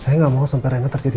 saya tidak mau sampai rena terjadi